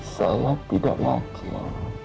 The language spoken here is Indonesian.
salah tidak makna